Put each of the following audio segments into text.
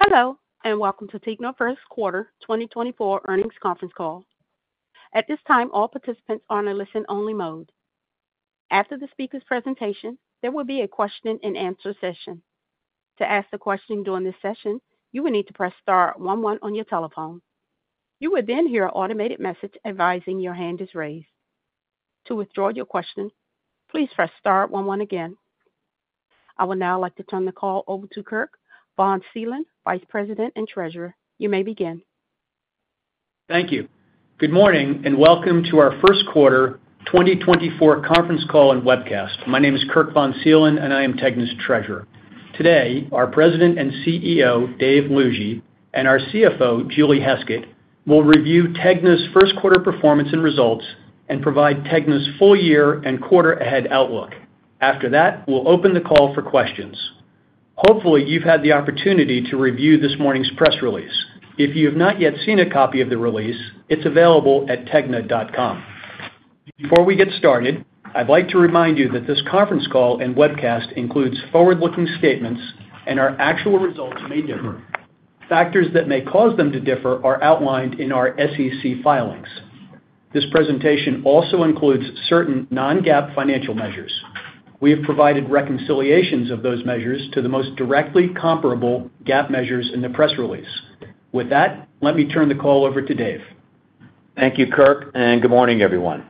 Hello, and welcome to TEGNA first quarter 2024 earnings conference call. At this time, all participants are in a listen-only mode. After the speaker's presentation, there will be a question and answer session. To ask the question during this session, you will need to press star one one on your telephone. You will then hear an automated message advising your hand is raised. To withdraw your question, please press star one one again. I would now like to turn the call over to Kirk von Seelen, Vice President and Treasurer. You may begin. Thank you. Good morning, and welcome to our first quarter 2024 conference call and webcast. My name is Kirk von Seelen, and I am TEGNA's Treasurer. Today, our President and CEO, Dave Lougee, and our CFO, Julie Heskett, will review TEGNA's first quarter performance and results and provide TEGNA's full year and quarter ahead outlook. After that, we'll open the call for questions. Hopefully, you've had the opportunity to review this morning's press release. If you have not yet seen a copy of the release, it's available at tegna.com. Before we get started, I'd like to remind you that this conference call and webcast includes forward-looking statements and our actual results may differ. Factors that may cause them to differ are outlined in our SEC filings. This presentation also includes certain non-GAAP financial measures. We have provided reconciliations of those measures to the most directly comparable GAAP measures in the press release. With that, let me turn the call over to Dave. Thank you, Kirk, and good morning, everyone.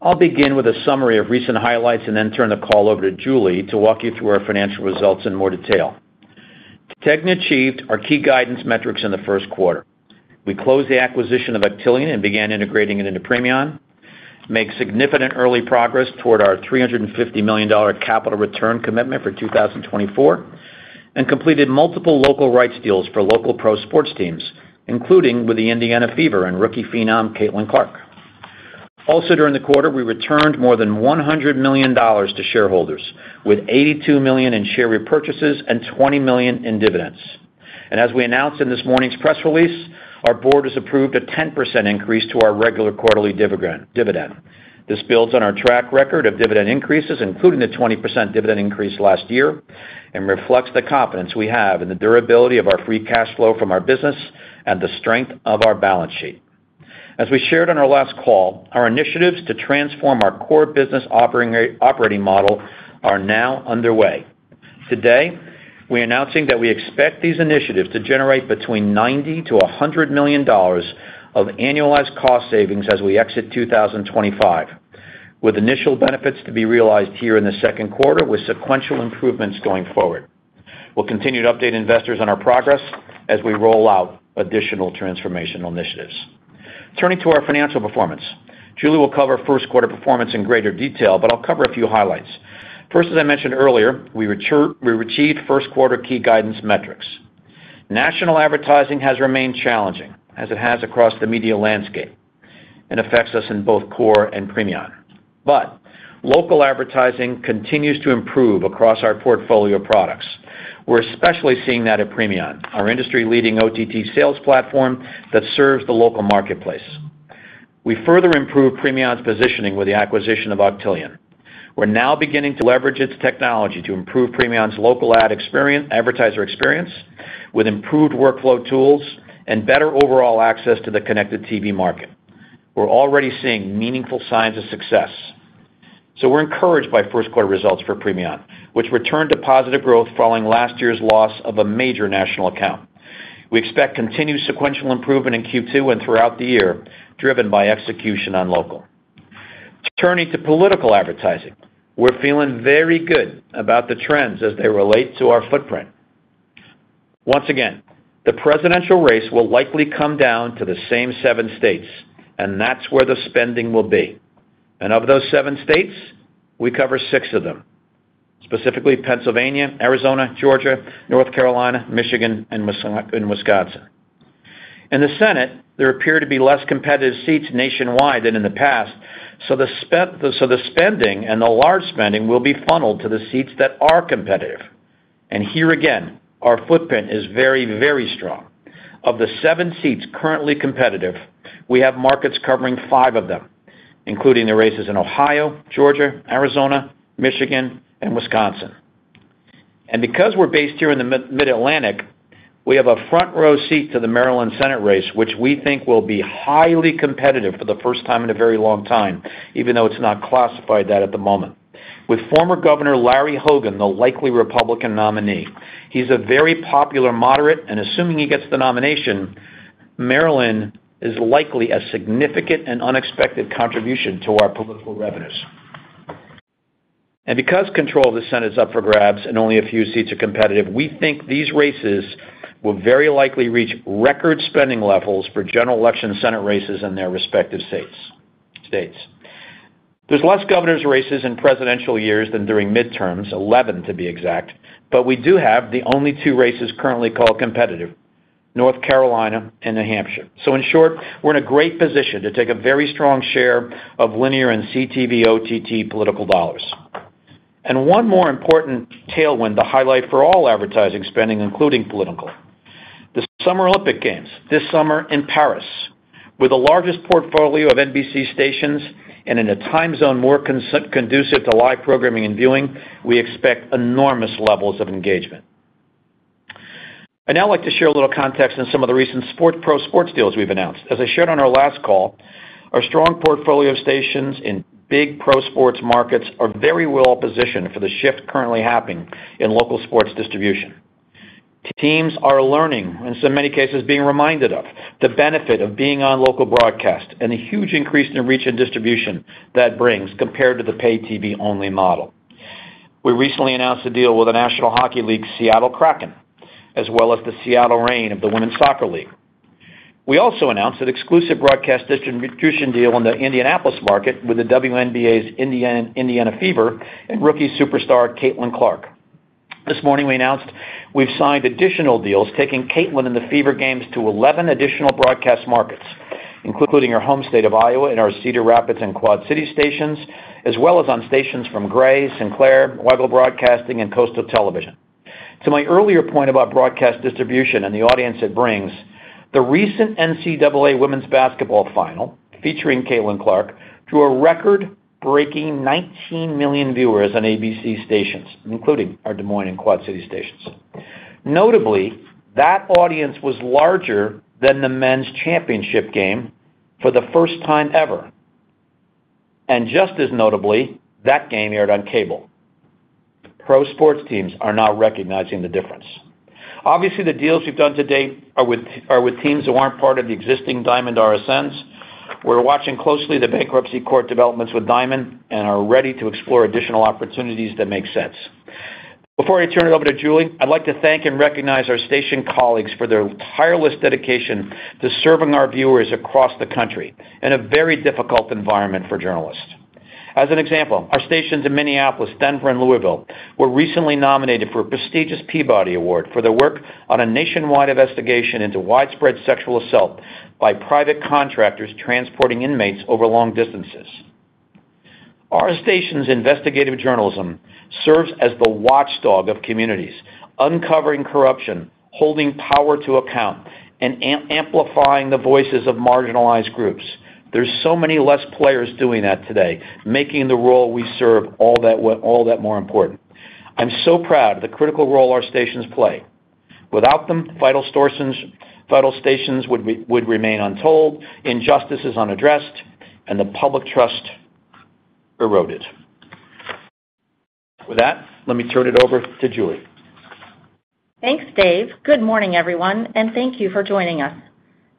I'll begin with a summary of recent highlights and then turn the call over to Julie to walk you through our financial results in more detail. TEGNA achieved our key guidance metrics in the first quarter. We closed the acquisition of Octillion and began integrating it into Premion, made significant early progress toward our $350 million capital return commitment for 2024, and completed multiple local rights deals for local pro sports teams, including with the Indiana Fever and rookie phenom Caitlin Clark. Also, during the quarter, we returned more than $100 million to shareholders, with $82 million in share repurchases and $20 million in dividends. As we announced in this morning's press release, our board has approved a 10% increase to our regular quarterly dividend. This builds on our track record of dividend increases, including the 20% dividend increase last year, and reflects the confidence we have in the durability of our free cash flow from our business and the strength of our balance sheet. As we shared on our last call, our initiatives to transform our core business operating model are now underway. Today, we're announcing that we expect these initiatives to generate between $90 million-$100 million of annualized cost savings as we exit 2025, with initial benefits to be realized here in the second quarter, with sequential improvements going forward. We'll continue to update investors on our progress as we roll out additional transformational initiatives. Turning to our financial performance. Julie will cover first quarter performance in greater detail, but I'll cover a few highlights. First, as I mentioned earlier, we achieved first quarter key guidance metrics. National advertising has remained challenging, as it has across the media landscape, and affects us in both core and Premion. But local advertising continues to improve across our portfolio of products. We're especially seeing that at Premion, our industry-leading OTT sales platform that serves the local marketplace. We further improved Premion's positioning with the acquisition of Octillion. We're now beginning to leverage its technology to improve Premion's local ad experience, advertiser experience, with improved workflow tools and better overall access to the connected TV market. We're already seeing meaningful signs of success, so we're encouraged by first quarter results for Premion, which returned to positive growth following last year's loss of a major national account. We expect continued sequential improvement in Q2 and throughout the year, driven by execution on local. Turning to political advertising. We're feeling very good about the trends as they relate to our footprint. Once again, the presidential race will likely come down to the same seven states, and that's where the spending will be. Of those seven states, we cover six of them, specifically Pennsylvania, Arizona, Georgia, North Carolina, Michigan, and Wisconsin. In the Senate, there appear to be less competitive seats nationwide than in the past, so the spending and the large spending will be funneled to the seats that are competitive. Here again, our footprint is very, very strong. Of the seven seats currently competitive, we have markets covering five of them, including the races in Ohio, Georgia, Arizona, Michigan, and Wisconsin. And because we're based here in the Mid-Atlantic, we have a front-row seat to the Maryland Senate race, which we think will be highly competitive for the first time in a very long time, even though it's not classified that at the moment. With former Governor Larry Hogan, the likely Republican nominee, he's a very popular moderate, and assuming he gets the nomination, Maryland is likely a significant and unexpected contribution to our political revenues. And because control of the Senate is up for grabs and only a few seats are competitive, we think these races will very likely reach record spending levels for general election Senate races in their respective states. There's less governor's races in presidential years than during midterms, 11, to be exact, but we do have the only two races currently called competitive, North Carolina and New Hampshire. So in short, we're in a great position to take a very strong share of linear and CTV/OTT political dollars. And one more important tailwind to highlight for all advertising spending, including political. The Summer Olympic Games this summer in Paris, with the largest portfolio of NBC stations and in a time zone more conducive to live programming and viewing, we expect enormous levels of engagement. I'd now like to share a little context on some of the recent pro sports deals we've announced. As I shared on our last call, our strong portfolio of stations in big pro-sports markets are very well positioned for the shift currently happening in local sports distribution. Teams are learning, and in so many cases, being reminded of the benefit of being on local broadcast and the huge increase in reach and distribution that brings compared to the Pay TV-only model. We recently announced a deal with the National Hockey League's Seattle Kraken, as well as the Seattle Reign of the Women's Soccer League. We also announced an exclusive broadcast distribution deal in the Indianapolis market with the WNBA's Indiana Fever and rookie superstar, Caitlin Clark. This morning, we announced we've signed additional deals, taking Caitlin and the Fever games to 11 additional broadcast markets, including our home state of Iowa and our Cedar Rapids and Quad Cities stations, as well as on stations from Gray, Sinclair, Weigel Broadcasting, and Coastal Television. To my earlier point about broadcast distribution and the audience it brings, the recent NCAA Women's Basketball Final, featuring Caitlin Clark, drew a record-breaking 19 million viewers on ABC stations, including our Des Moines and Quad Cities stations. Notably, that audience was larger than the men's championship game for the first time ever, and just as notably, that game aired on cable. Pro sports teams are now recognizing the difference. Obviously, the deals we've done to date are with teams that weren't part of the existing Diamond RSNs. We're watching closely the bankruptcy court developments with Diamond and are ready to explore additional opportunities that make sense. Before I turn it over to Julie, I'd like to thank and recognize our station colleagues for their tireless dedication to serving our viewers across the country in a very difficult environment for journalists. As an example, our stations in Minneapolis, Denver, and Louisville were recently nominated for a prestigious Peabody Award for their work on a nationwide investigation into widespread sexual assault by private contractors transporting inmates over long distances. Our station's investigative journalism serves as the watchdog of communities, uncovering corruption, holding power to account, and amplifying the voices of marginalized groups. There's so many less players doing that today, making the role we serve all that more important. I'm so proud of the critical role our stations play. Without them, vital stories would remain untold, injustices unaddressed, and the public trust eroded. With that, let me turn it over to Julie. Thanks, Dave. Good morning, everyone, and thank you for joining us.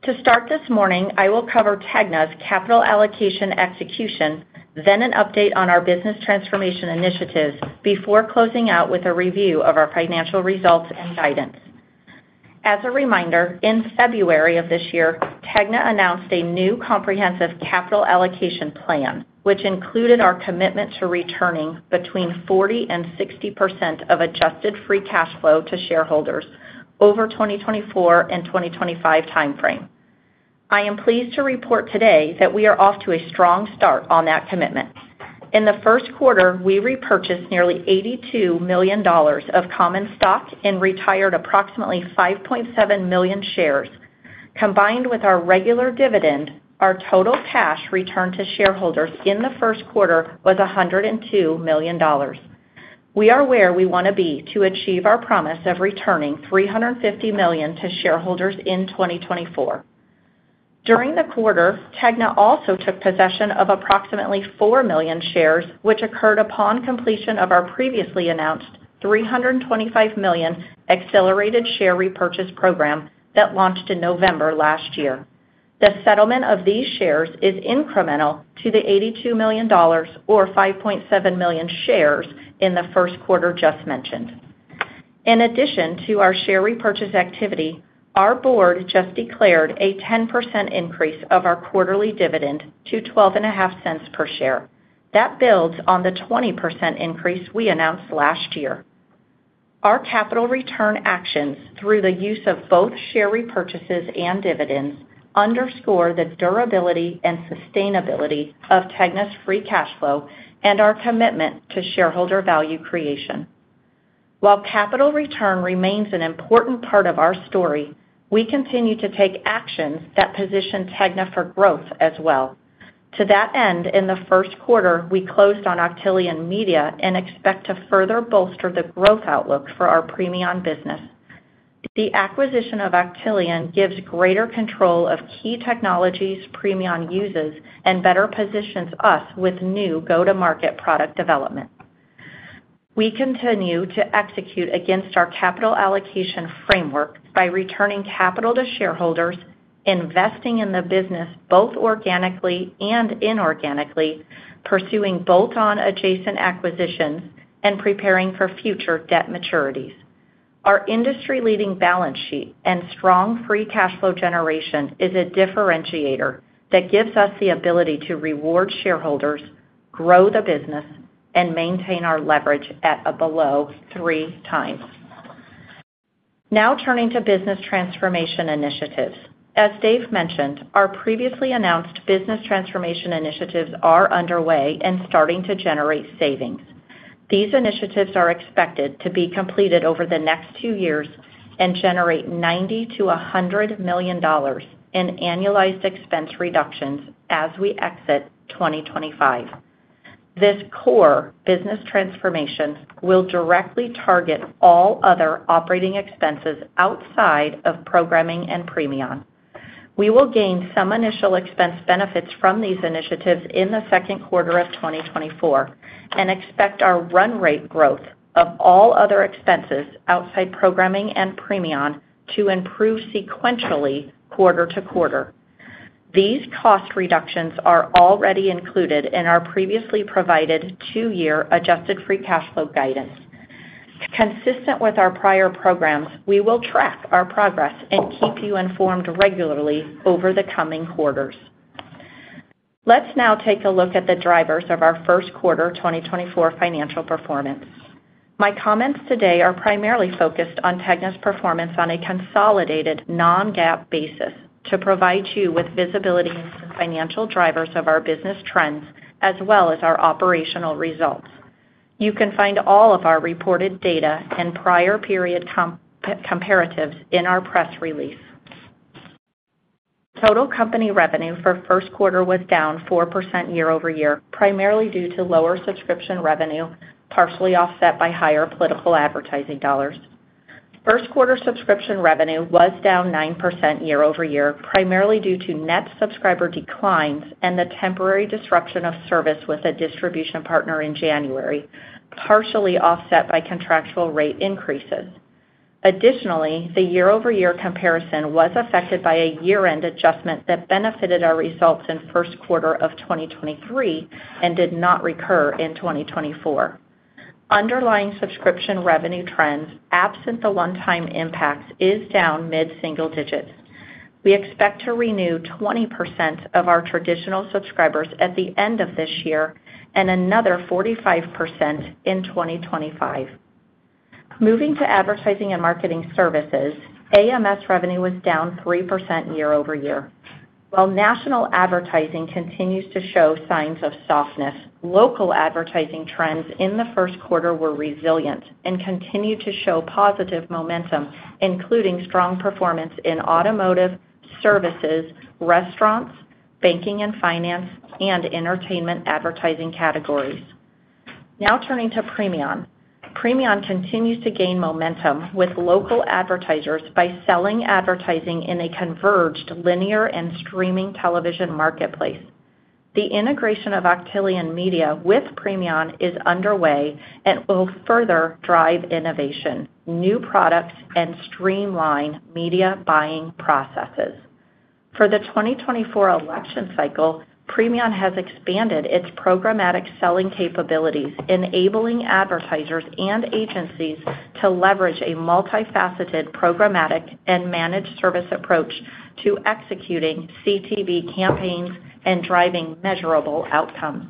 To start this morning, I will cover TEGNA's capital allocation execution, then an update on our business transformation initiatives before closing out with a review of our financial results and guidance. As a reminder, in February of this year, TEGNA announced a new comprehensive capital allocation plan, which included our commitment to returning between 40% and 60% of adjusted free cash flow to shareholders over 2024 and 2025 timeframe. I am pleased to report today that we are off to a strong start on that commitment. In the first quarter, we repurchased nearly $82 million of common stock and retired approximately 5.7 million shares. Combined with our regular dividend, our total cash returned to shareholders in the first quarter was $102 million. We are where we want to be to achieve our promise of returning $350 million to shareholders in 2024. During the quarter, TEGNA also took possession of approximately 4 million shares, which occurred upon completion of our previously announced $325 million accelerated share repurchase program that launched in November last year. The settlement of these shares is incremental to the $82 million or 5.7 million shares in the first quarter just mentioned. In addition to our share repurchase activity, our board just declared a 10% increase of our quarterly dividend to $0.125 per share. That builds on the 20% increase we announced last year. Our capital return actions, through the use of both share repurchases and dividends, underscore the durability and sustainability of TEGNA's free cash flow and our commitment to shareholder value creation. While capital return remains an important part of our story, we continue to take actions that position TEGNA for growth as well. To that end, in the first quarter, we closed on Octillion Media and expect to further bolster the growth outlook for our Premion business. The acquisition of Octillion gives greater control of key technologies Premion uses and better positions us with new go-to-market product development. We continue to execute against our capital allocation framework by returning capital to shareholders, investing in the business, both organically and inorganically, pursuing bolt-on adjacent acquisitions, and preparing for future debt maturities. Our industry-leading balance sheet and strong free cash flow generation is a differentiator that gives us the ability to reward shareholders, grow the business, and maintain our leverage at or below three times. Now turning to business transformation initiatives. As Dave mentioned, our previously announced business transformation initiatives are underway and starting to generate savings. These initiatives are expected to be completed over the next two years and generate $90 million-$100 million in annualized expense reductions as we exit 2025. This core business transformation will directly target all other operating expenses outside of programming and Premion. We will gain some initial expense benefits from these initiatives in the second quarter of 2024, and expect our run rate growth of all other expenses outside programming and Premion to improve sequentially quarter to quarter. These cost reductions are already included in our previously provided two-year adjusted free cash flow guidance. Consistent with our prior programs, we will track our progress and keep you informed regularly over the coming quarters. Let's now take a look at the drivers of our first quarter 2024 financial performance. My comments today are primarily focused on TEGNA's performance on a consolidated non-GAAP basis to provide you with visibility into the financial drivers of our business trends, as well as our operational results. You can find all of our reported data and prior period comparatives in our press release. Total company revenue for first quarter was down 4% year-over-year, primarily due to lower subscription revenue, partially offset by higher political advertising dollars. First quarter subscription revenue was down 9% year-over-year, primarily due to net subscriber declines and the temporary disruption of service with a distribution partner in January, partially offset by contractual rate increases. Additionally, the year-over-year comparison was affected by a year-end adjustment that benefited our results in first quarter of 2023 and did not recur in 2024. Underlying subscription revenue trends, absent the one-time impacts, is down mid-single digits. We expect to renew 20% of our traditional subscribers at the end of this year and another 45% in 2025. Moving to advertising and marketing services, AMS revenue was down 3% year-over-year. While national advertising continues to show signs of softness, local advertising trends in the first quarter were resilient and continue to show positive momentum, including strong performance in automotive, services, restaurants, banking and finance, and entertainment advertising categories. Now turning to Premion. Premion continues to gain momentum with local advertisers by selling advertising in a converged linear and streaming television marketplace. The integration of Octillion Media with Premion is underway and will further drive innovation, new products, and streamline media buying processes. For the 2024 election cycle, Premion has expanded its programmatic selling capabilities, enabling advertisers and agencies to leverage a multifaceted, programmatic and managed service approach to executing CTV campaigns and driving measurable outcomes.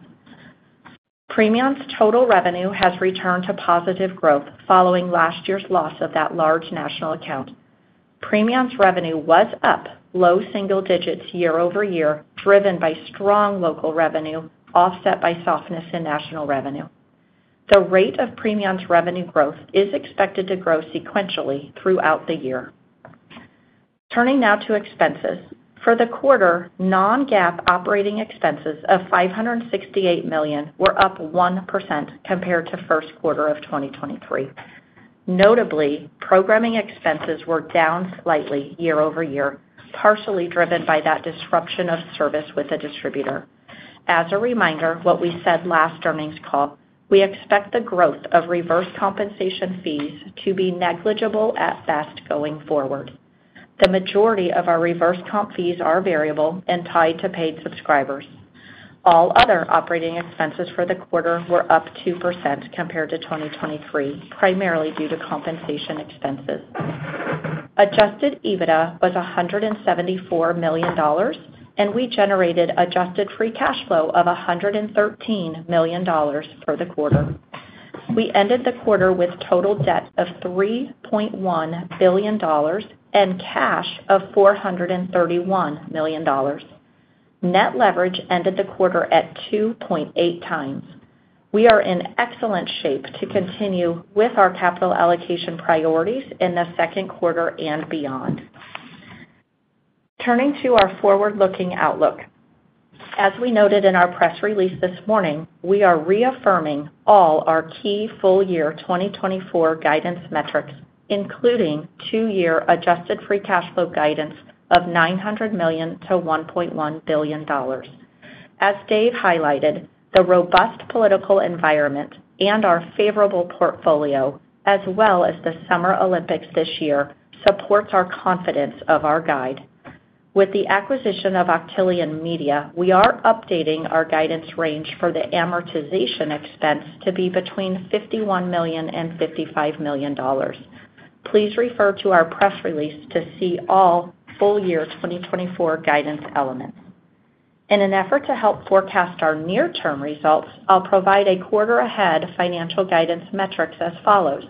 Premion's total revenue has returned to positive growth following last year's loss of that large national account. Premion's revenue was up low single digits year-over-year, driven by strong local revenue, offset by softness in national revenue. The rate of Premion's revenue growth is expected to grow sequentially throughout the year. Turning now to expenses. For the quarter, non-GAAP operating expenses of $568 million were up 1% compared to first quarter of 2023. Notably, programming expenses were down slightly year-over-year, partially driven by that disruption of service with the distributor. As a reminder, what we said last earnings call, we expect the growth of reverse compensation fees to be negligible at best going forward. The majority of our reverse comp fees are variable and tied to paid subscribers. All other operating expenses for the quarter were up 2% compared to 2023, primarily due to compensation expenses. Adjusted EBITDA was $174 million, and we generated adjusted free cash flow of $113 million for the quarter. We ended the quarter with total debt of $3.1 billion and cash of $431 million. Net leverage ended the quarter at 2.8 times. We are in excellent shape to continue with our capital allocation priorities in the second quarter and beyond. Turning to our forward-looking outlook. As we noted in our press release this morning, we are reaffirming all our key full-year 2024 guidance metrics, including two-year adjusted free cash flow guidance of $900 million-$1.1 billion. As Dave highlighted, the robust political environment and our favorable portfolio, as well as the Summer Olympics this year, supports our confidence of our guide. With the acquisition of Octillion Media, we are updating our guidance range for the amortization expense to be between $51 million and $55 million. Please refer to our press release to see all full-year 2024 guidance elements. In an effort to help forecast our near-term results, I'll provide a quarter-ahead financial guidance metrics as follows....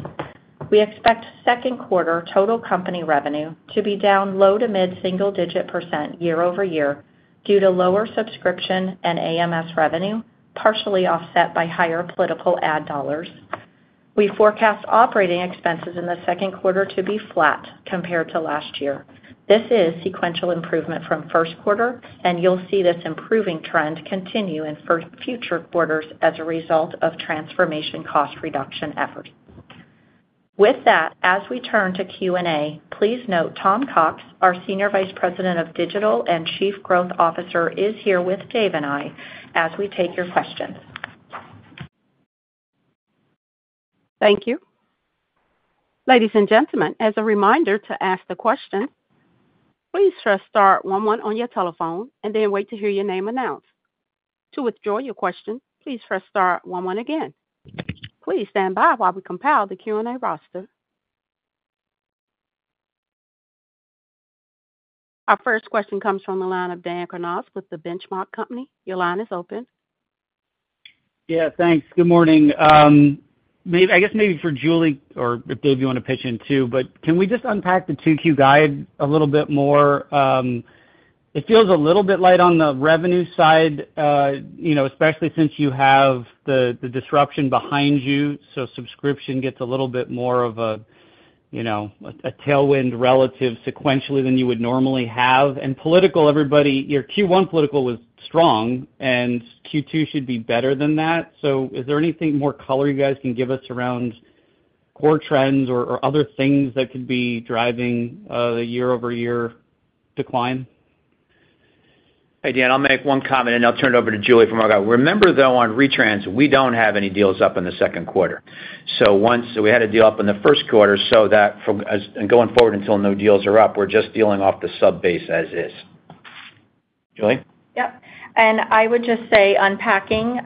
We expect second quarter total company revenue to be down low- to mid-single-digit % year-over-year, due to lower subscription and AMS revenue, partially offset by higher political ad dollars. We forecast operating expenses in the second quarter to be flat compared to last year. This is sequential improvement from first quarter, and you'll see this improving trend continue in future quarters as a result of transformation cost reduction efforts. With that, as we turn to Q&A, please note Tom Cox, our Senior Vice President of Digital and Chief Growth Officer, is here with Dave and I as we take your questions. Thank you. Ladies and gentlemen, as a reminder to ask the question, please press star one one on your telephone and then wait to hear your name announced. To withdraw your question, please press star one one again. Please stand by while we compile the Q&A roster. Our first question comes from the line of Dan Kurnos with The Benchmark Company. Your line is open. Yeah, thanks. Good morning. I guess maybe for Julie, or if Dave, you want to pitch in too, but can we just unpack the 2Q guide a little bit more? It feels a little bit light on the revenue side, you know, especially since you have the disruption behind you, so subscription gets a little bit more of a, you know, tailwind relative sequentially than you would normally have. And political, everybody, your Q1 political was strong, and Q2 should be better than that. So is there anything more color you guys can give us around core trends or other things that could be driving the year-over-year decline? Hey, Dan, I'll make one comment, and I'll turn it over to Julie from our guy. Remember, though, on retrans, we don't have any deals up in the second quarter. So once we had a deal up in the first quarter, so that from and going forward until no deals are up, we're just dealing off the sub base as is. Julie? Yep. And I would just say unpacking,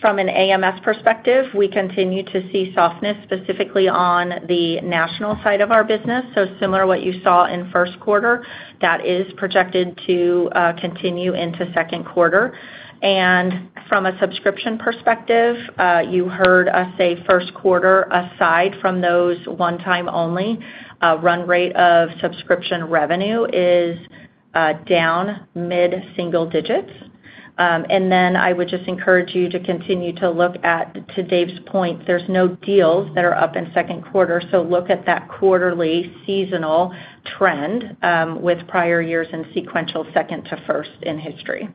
from an AMS perspective, we continue to see softness, specifically on the national side of our business. So similar to what you saw in first quarter, that is projected to continue into second quarter. And from a subscription perspective, you heard us say first quarter, aside from those one-time only, run rate of subscription revenue is down mid-single digits. And then I would just encourage you to continue to look at, to Dave's point, there's no deals that are up in second quarter, so look at that quarterly seasonal trend, with prior years in sequential second to first in history.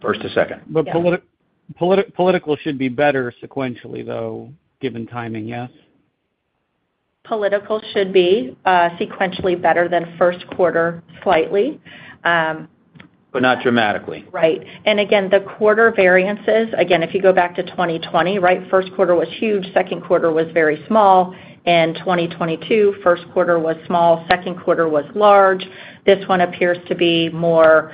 First to second. Yeah. But political should be better sequentially, though, given timing, yes? Political should be sequentially better than first quarter, slightly. But not dramatically. Right. And again, the quarter variances, again, if you go back to 2020, right, first quarter was huge, second quarter was very small, and 2022, first quarter was small, second quarter was large. This one appears to be more,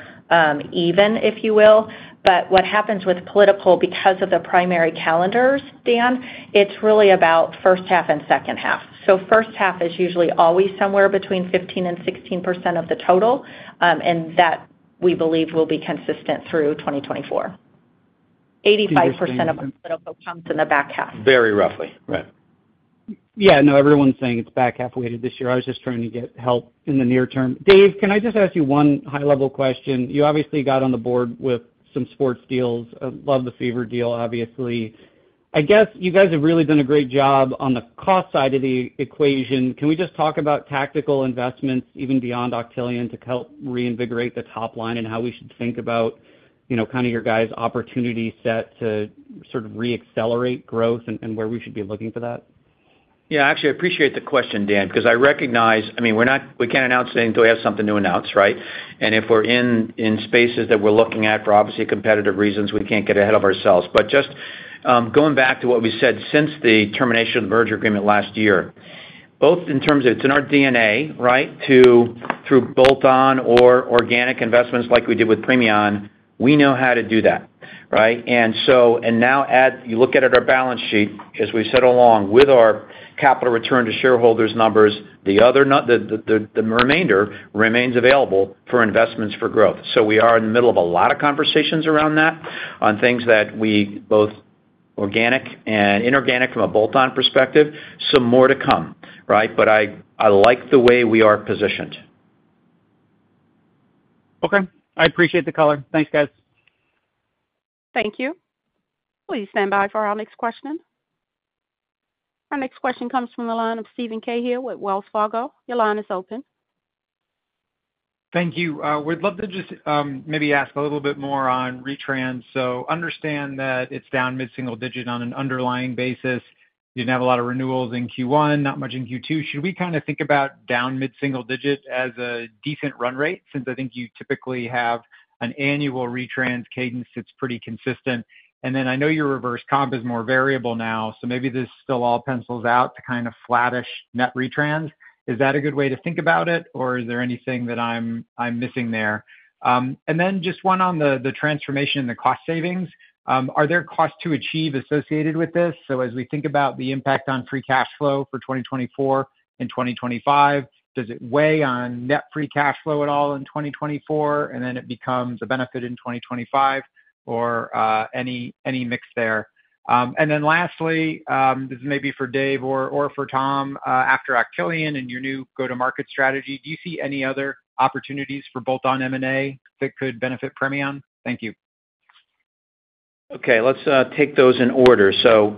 even, if you will. But what happens with political, because of the primary calendars, Dan, it's really about first half and second half. So first half is usually always somewhere between 15%-16% of the total, and that, we believe, will be consistent through 2024. 85% of political comes in the back half. Very roughly, right. Yeah, no, everyone's saying it's back half-weighted this year. I was just trying to get help in the near term. Dave, can I just ask you one high-level question? You obviously got on the board with some sports deals. I love the Fever deal, obviously. I guess you guys have really done a great job on the cost side of the equation. Can we just talk about tactical investments, even beyond Octillion, to help reinvigorate the top line and how we should think about, you know, kind of your guys' opportunity set to sort of reaccelerate growth and, and where we should be looking for that? Yeah, actually, I appreciate the question, Dan, 'cause I recognize... I mean, we can't announce anything until we have something to announce, right? And if we're in spaces that we're looking at, for obviously competitive reasons, we can't get ahead of ourselves. But just going back to what we said since the termination of the merger agreement last year, both in terms of it's in our DNA, right, to through bolt-on or organic investments like we did with Premion, we know how to do that, right? And so, and now you look at it, our balance sheet, as we've said along, with our capital return to shareholders numbers, the remainder remains available for investments for growth. So we are in the middle of a lot of conversations around that, on things that we, both organic and inorganic from a bolt-on perspective, some more to come, right? But I, I like the way we are positioned. Okay. I appreciate the color. Thanks, guys. Thank you. Please stand by for our next question. Our next question comes from the line of Stephen Cahill with Wells Fargo. Your line is open. Thank you. We'd love to just maybe ask a little bit more on retrans. So understand that it's down mid-single digit on an underlying basis. You didn't have a lot of renewals in Q1, not much in Q2. Should we kind of think about down mid-single digits as a decent run rate, since I think you typically have an annual retrans cadence that's pretty consistent? And then I know your reverse comp is more variable now, so maybe this still all pencils out to kind of flattish net retrans. Is that a good way to think about it, or is there anything that I'm missing there? And then just one on the transformation and the cost savings. Are there costs to achieve associated with this? So as we think about the impact on free cash flow for 2024 and 2025, does it weigh on net free cash flow at all in 2024, and then it becomes a benefit in 2025, or any mix there? And then lastly, this may be for Dave or for Tom. After Octillion and your new go-to-market strategy, do you see any other opportunities for bolt-on M&A that could benefit Premion? Thank you. Okay, let's take those in order. So,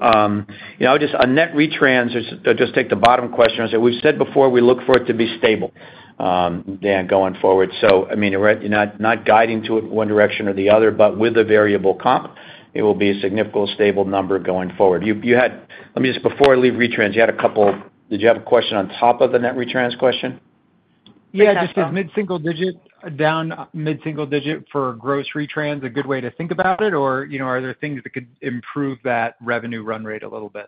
you know, just on net retrans, just take the bottom question. As we've said before, we look for it to be stable, Dan, going forward. So I mean, we're not guiding to it one direction or the other, but with the variable comp, it will be a significant stable number going forward. You had—let me just before I leave retrans, you had a couple... Did you have a question on top of the net retrans question? Yeah, just is mid-single-digit down mid-single-digit for gross retrans a good way to think about it, or, you know, are there things that could improve that revenue run rate a little bit?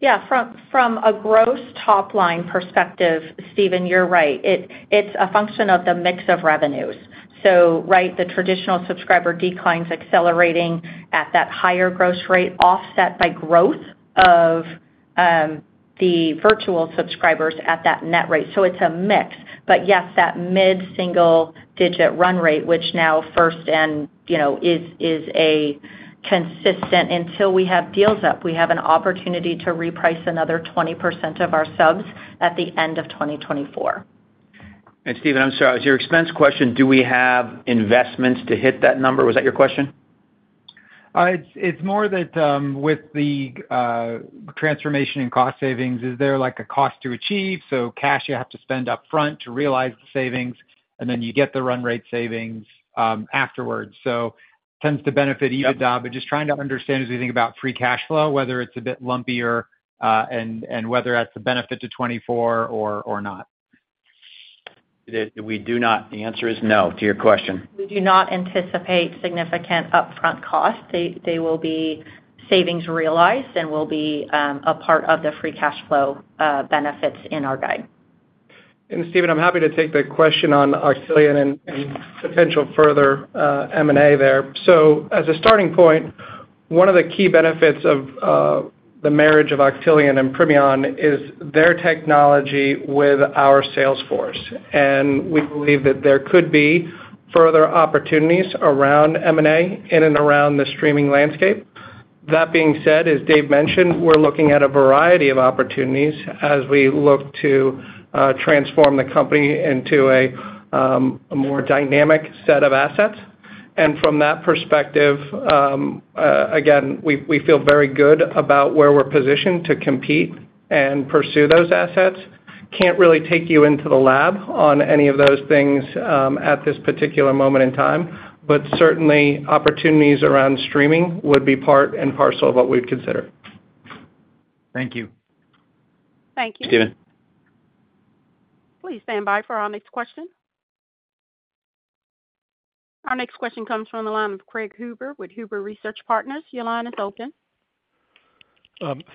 Yeah. From a gross top line perspective, Steven, you're right. It's a function of the mix of revenues. So, right, the traditional subscriber declines accelerating at that higher gross rate, offset by growth of the virtual subscribers at that net rate. So it's a mix. But yes, that mid-single digit run rate, which now first and, you know, is a consistent until we have deals up, we have an opportunity to reprice another 20% of our subs at the end of 2024. Steven, I'm sorry, was your expense question, do we have investments to hit that number? Was that your question? It's, it's more that with the transformation in cost savings, is there like a cost to achieve, so cash you have to spend upfront to realize the savings, and then you get the run rate savings afterwards? So tends to benefit EBITDA. Yep. But just trying to understand as we think about free cash flow, whether it's a bit lumpier, and whether that's a benefit to 2024 or not. We do not. The answer is no to your question. We do not anticipate significant upfront costs. They will be savings realized and will be a part of the free cash flow benefits in our guide. Steven, I'm happy to take the question on Octillion and potential further M&A there. As a starting point, one of the key benefits of the marriage of Octillion and Premion is their technology with our sales force, and we believe that there could be further opportunities around M&A in and around the streaming landscape. That being said, as Dave mentioned, we're looking at a variety of opportunities as we look to transform the company into a more dynamic set of assets. From that perspective, again, we feel very good about where we're positioned to compete and pursue those assets. Can't really take you into the lab on any of those things at this particular moment in time, but certainly opportunities around streaming would be part and parcel of what we'd consider. Thank you. Thank you. Steven. Please stand by for our next question. Our next question comes from the line of Craig Huber with Huber Research Partners. Your line is open.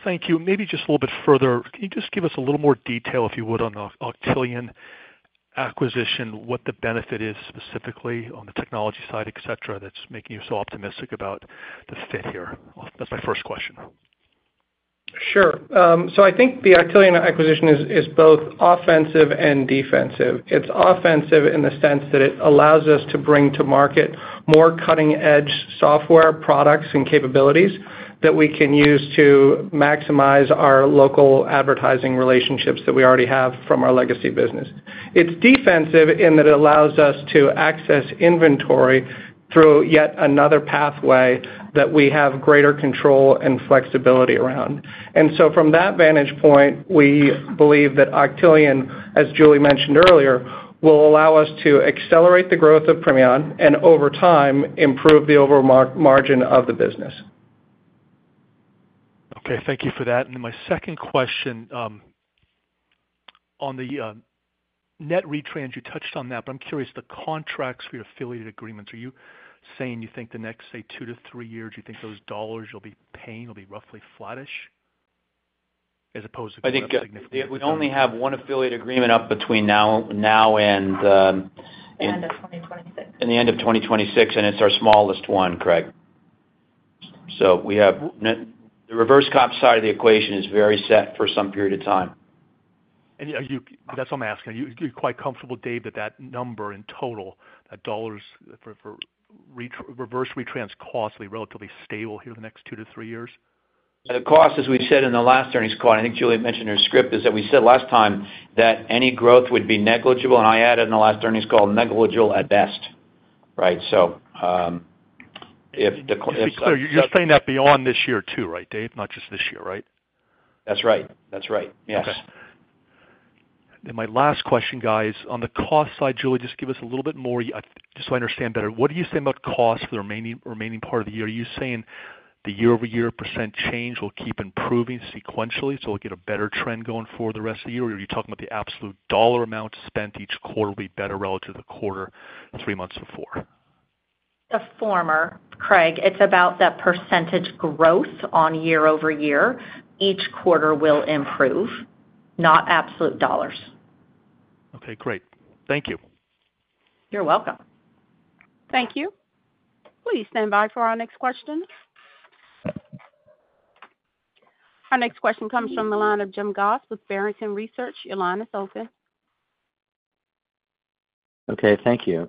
Thank you. Maybe just a little bit further, can you just give us a little more detail, if you would, on the Octillion acquisition, what the benefit is specifically on the technology side, et cetera, that's making you so optimistic about the fit here? That's my first question. Sure. So I think the Octillion acquisition is both offensive and defensive. It's offensive in the sense that it allows us to bring to market more cutting-edge software products and capabilities that we can use to maximize our local advertising relationships that we already have from our legacy business. It's defensive in that it allows us to access inventory through yet another pathway that we have greater control and flexibility around. And so from that vantage point, we believe that Octillion, as Julie mentioned earlier, will allow us to accelerate the growth of Premion and over time, improve the overall margin of the business. Okay. Thank you for that. And then my second question, on the net retrans, you touched on that, but I'm curious, the contracts for your affiliate agreements, are you saying you think the next, say, 2-3 years, you think those dollars you'll be paying will be roughly flattish as opposed to- I think, we only have one affiliate agreement up between now and The end of 2026. The end of 2026, and it's our smallest one, Craig. We have... The reverse comp side of the equation is very set for some period of time. Are you? That's what I'm asking. Are you quite comfortable, Dave, that that number in total, that dollars for reverse retrans costs are relatively stable here in the next two to three years? The cost, as we've said in the last earnings call, and I think Julie mentioned in her script, is that we said last time that any growth would be negligible. I added in the last earnings call, negligible at best, right? So, if the- You're saying that beyond this year, too, right, Dave? Not just this year, right? That's right. That's right. Yes. Okay. Then my last question, guys, on the cost side, Julie, just give us a little bit more, just so I understand better. What do you say about costs for the remaining part of the year? Are you saying the year-over-year percent change will keep improving sequentially, so we'll get a better trend going forward the rest of the year? Or are you talking about the absolute dollar amount spent each quarter will be better relative to the quarter, three months before? The former, Craig. It's about that percentage growth on year-over-year. Each quarter will improve, not absolute dollars. Okay, great. Thank you. You're welcome. Thank you. Please stand by for our next question. Our next question comes from the line of Jim Goss with Barrington Research. Your line is open.... Okay, thank you.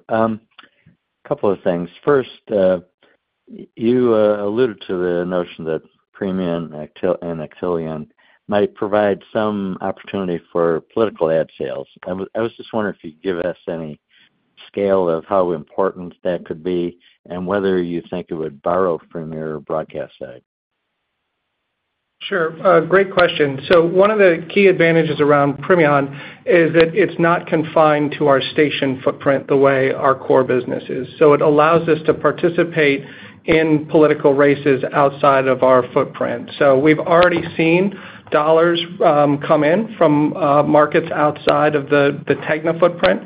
Couple of things. First, you alluded to the notion that Premion and Octillion might provide some opportunity for political ad sales. I was just wondering if you could give us any scale of how important that could be and whether you think it would borrow from your broadcast side? Sure. Great question. So one of the key advantages around Premion is that it's not confined to our station footprint the way our core business is. So it allows us to participate in political races outside of our footprint. So we've already seen dollars come in from markets outside of the TEGNA footprint.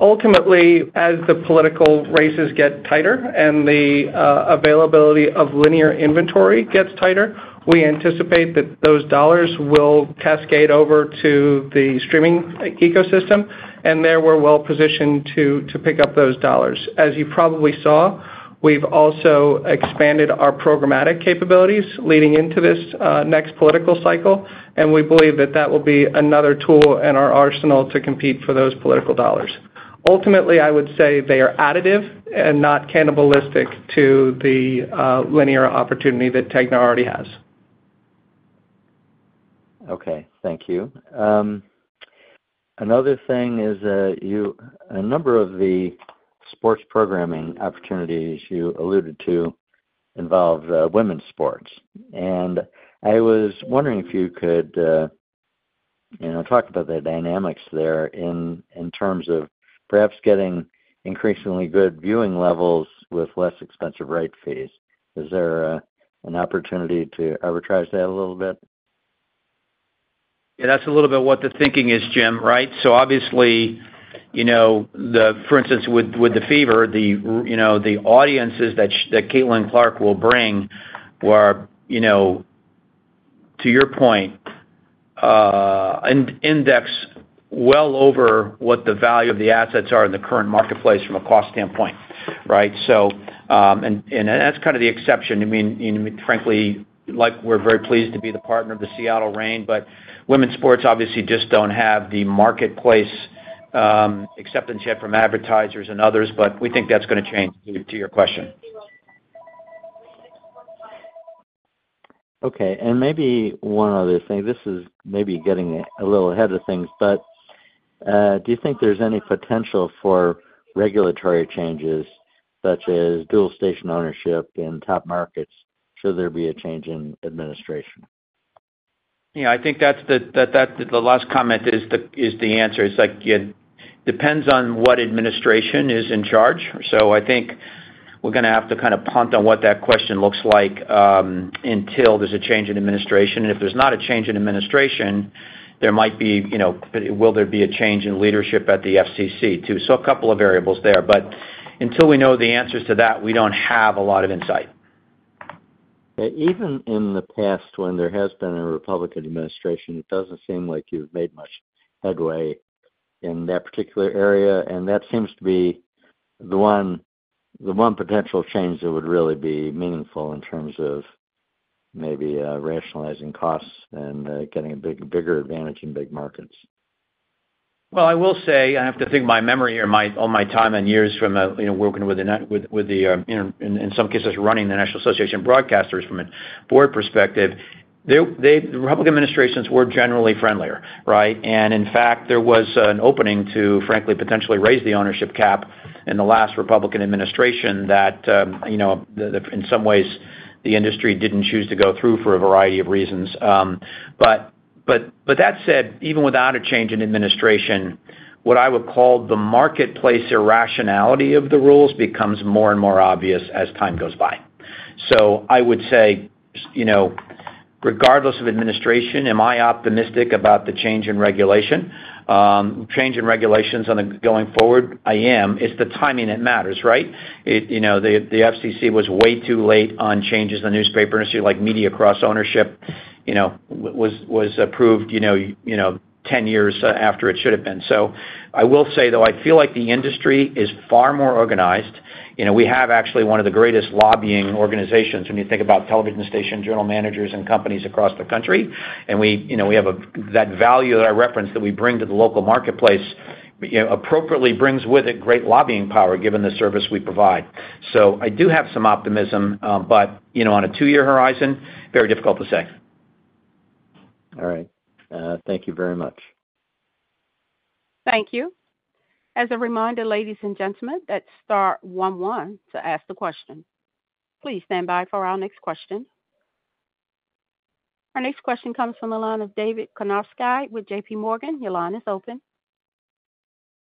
Ultimately, as the political races get tighter and the availability of linear inventory gets tighter, we anticipate that those dollars will cascade over to the streaming ecosystem, and there we're well positioned to pick up those dollars. As you probably saw, we've also expanded our programmatic capabilities leading into this next political cycle, and we believe that that will be another tool in our arsenal to compete for those political dollars. Ultimately, I would say they are additive and not cannibalistic to the linear opportunity that TEGNA already has. Okay, thank you. Another thing is that you—a number of the sports programming opportunities you alluded to involve women's sports, and I was wondering if you could, you know, talk about the dynamics there in terms of perhaps getting increasingly good viewing levels with less expensive right fees. Is there an opportunity to arbitrage that a little bit? Yeah, that's a little bit what the thinking is, Jim, right? So obviously, you know, for instance, with the Fever, you know, the audiences that Caitlin Clark will bring were, you know, to your point, index well over what the value of the assets are in the current marketplace from a cost standpoint, right? So, and that's kind of the exception. I mean, and frankly, like, we're very pleased to be the partner of the Seattle Reign, but women's sports obviously just don't have the marketplace acceptance yet from advertisers and others, but we think that's gonna change, to your question. Okay, and maybe one other thing. This is maybe getting a little ahead of things, but, do you think there's any potential for regulatory changes such as dual station ownership in top markets, should there be a change in administration? Yeah, I think that's the last comment is the answer. It's like, it depends on what administration is in charge. So I think we're gonna have to kind of punt on what that question looks like until there's a change in administration. If there's not a change in administration, there might be, you know, will there be a change in leadership at the FCC, too? So a couple of variables there, but until we know the answers to that, we don't have a lot of insight. Even in the past, when there has been a Republican administration, it doesn't seem like you've made much headway in that particular area, and that seems to be the one potential change that would really be meaningful in terms of maybe rationalizing costs and getting a bigger advantage in big markets. Well, I will say, I have to think my memory or all my time and years from, you know, working with the, in some cases, running the National Association of Broadcasters from a board perspective. Republican administrations were generally friendlier, right? And in fact, there was an opening to, frankly, potentially raise the ownership cap in the last Republican administration that, you know, in some ways, the industry didn't choose to go through for a variety of reasons. But that said, even without a change in administration, what I would call the marketplace irrationality of the rules becomes more and more obvious as time goes by. So I would say, you know, regardless of administration, am I optimistic about the change in regulation? Change in regulations going forward, I am. It's the timing that matters, right? You know, the FCC was way too late on changes in the newspaper industry, like media cross-ownership, you know, was approved, you know, 10 years after it should have been. So I will say, though, I feel like the industry is far more organized. You know, we have actually one of the greatest lobbying organizations when you think about television station general managers and companies across the country, and we, you know, we have that value that I referenced, that we bring to the local marketplace, you know, appropriately brings with it great lobbying power, given the service we provide. So I do have some optimism, but, you know, on a 2-year horizon, very difficult to say. All right, thank you very much. Thank you. As a reminder, ladies and gentlemen, that's star one one to ask the question. Please stand by for our next question. Our next question comes from the line of David Karnofsky with J.P. Morgan. Your line is open.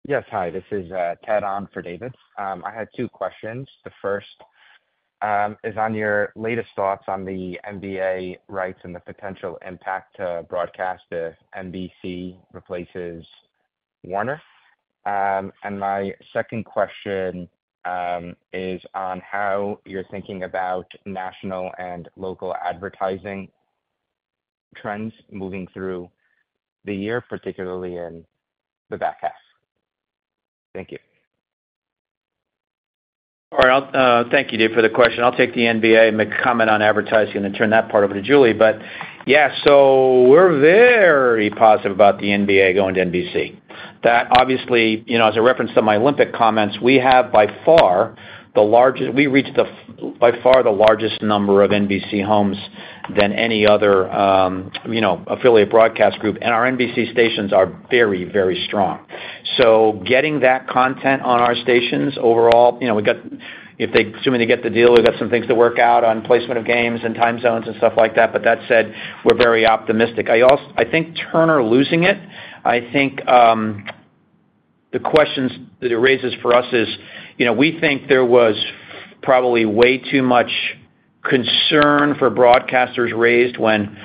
Yes, hi, this is Ted on for David. I had two questions. The first is on your latest thoughts on the NBA rights and the potential impact to broadcast if NBC replaces Warner. And my second question is on how you're thinking about national and local advertising trends moving through the year, particularly in the back half. Thank you.... All right, I'll thank you, Ted, for the question. I'll take the NBA and make a comment on advertising, and turn that part over to Julie. But yeah, so we're very positive about the NBA going to NBC. That obviously, you know, as I referenced in my Olympic comments, we have, by far, the largest—we reach by far the largest number of NBC homes than any other, you know, affiliate broadcast group, and our NBC stations are very, very strong. So getting that content on our stations overall, you know, we've got—if they, assuming they get the deal, we've got some things to work out on placement of games and time zones and stuff like that, but that said, we're very optimistic. I think Turner losing it, I think, the questions that it raises for us is, you know, we think there was probably way too much concern for broadcasters raised when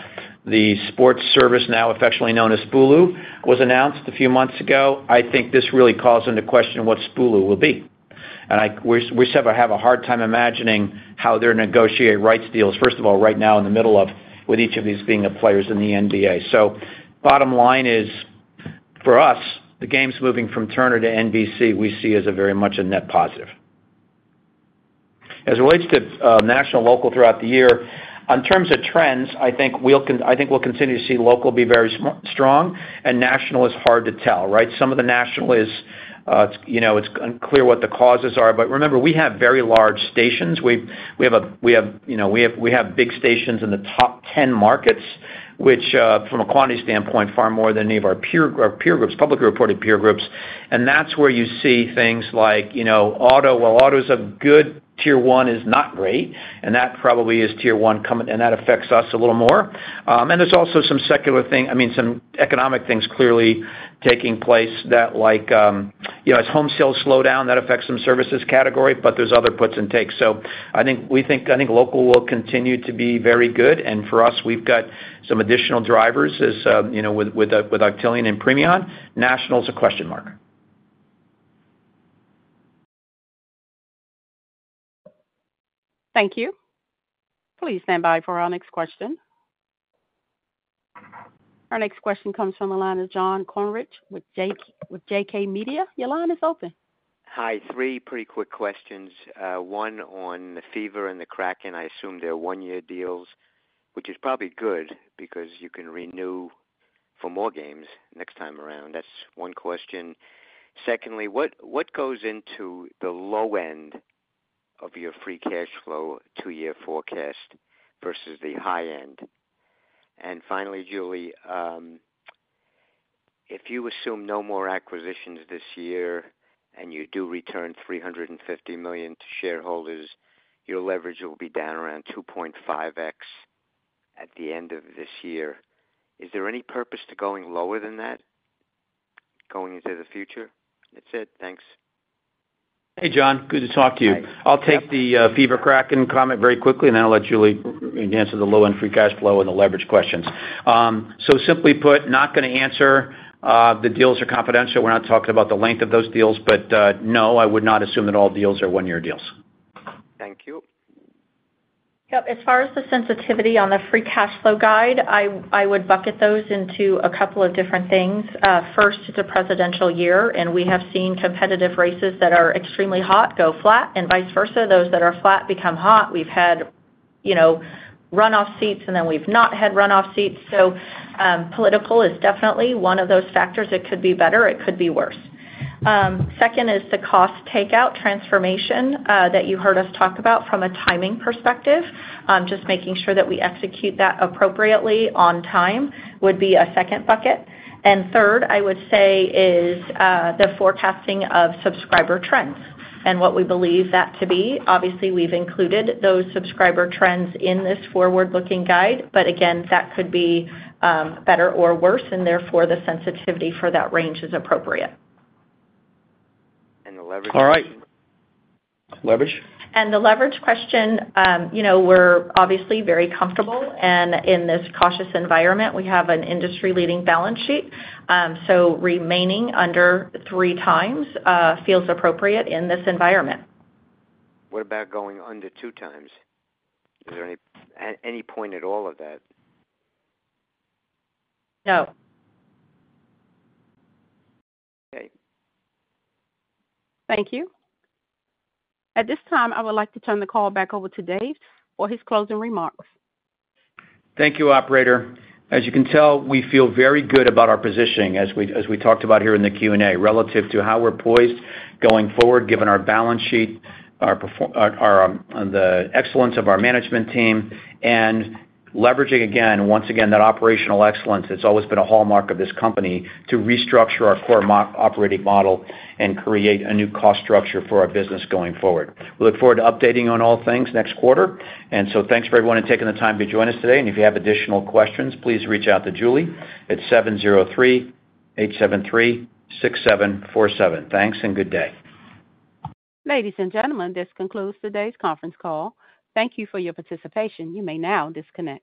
the sports service, now affectionately known as Spulu, was announced a few months ago. I think this really calls into question what Spulu will be. And I, we, we have a hard time imagining how they're gonna negotiate rights deals, first of all, right now in the middle of with each of these being the players in the NBA. So bottom line is, for us, the games moving from Turner to NBC, we see as a very much a net positive. As it relates to national and local throughout the year, on terms of trends, I think we'll continue to see local be very strong, and national is hard to tell, right? Some of the national is, it's, you know, it's unclear what the causes are, but remember, we have very large stations. We have, you know, we have big stations in the top ten markets, which from a quantity standpoint, far more than any of our peer groups, publicly reported peer groups. And that's where you see things like, you know, auto. Well, auto's a good, Tier 1 is not great, and that probably is Tier 1 coming, and that affects us a little more. And there's also some secular thing—I mean, some economic things clearly taking place that like, you know, as home sales slow down, that affects some services category, but there's other puts and takes. So I think, we think, I think local will continue to be very good, and for us, we've got some additional drivers as, you know, with Octillion and Premion. National is a question mark. Thank you. Please stand by for our next question. Our next question comes from the line of John Kornreich with JK Media. Your line is open. Hi, three pretty quick questions. One on the Fever and the Kraken. I assume they're one-year deals, which is probably good, because you can renew for more games next time around. That's one question. Secondly, what goes into the low end of your free cash flow two-year forecast versus the high end? And finally, Julie, if you assume no more acquisitions this year, and you do return $350 million to shareholders, your leverage will be down around 2.5x at the end of this year. Is there any purpose to going lower than that, going into the future? That's it. Thanks. Hey, John, good to talk to you. Hi. I'll take the Fever, Kraken comment very quickly, and then I'll let Julie answer the low-end free cash flow and the leverage questions. So simply put, not gonna answer. The deals are confidential, we're not talking about the length of those deals. But no, I would not assume that all deals are one-year deals. Thank you. Yep, as far as the sensitivity on the free cash flow guide, I would bucket those into a couple of different things. First, it's a presidential year, and we have seen competitive races that are extremely hot go flat and vice versa, those that are flat become hot. We've had, you know, runoff seats, and then we've not had runoff seats. So, political is definitely one of those factors. It could be better, it could be worse. Second is the cost takeout transformation that you heard us talk about from a timing perspective. Just making sure that we execute that appropriately on time would be a second bucket. And third, I would say is the forecasting of subscriber trends and what we believe that to be. Obviously, we've included those subscriber trends in this forward-looking guide, but again, that could be, better or worse, and therefore, the sensitivity for that range is appropriate. And the leverage- All right. Leverage? The leverage question, you know, we're obviously very comfortable, and in this cautious environment, we have an industry-leading balance sheet. So remaining under 3x feels appropriate in this environment. What about going under two times? Is there any point at all of that? No. Okay. Thank you. At this time, I would like to turn the call back over to Dave for his closing remarks. Thank you, operator. As you can tell, we feel very good about our positioning as we, as we talked about here in the Q&A, relative to how we're poised going forward, given our balance sheet, the excellence of our management team, and leveraging again, once again, that operational excellence that's always been a hallmark of this company to restructure our core operating model and create a new cost structure for our business going forward. We look forward to updating you on all things next quarter. And so thanks for everyone in taking the time to join us today, and if you have additional questions, please reach out to Julie at 703-873-6747. Thanks and good day. Ladies and gentlemen, this concludes today's conference call. Thank you for your participation. You may now disconnect.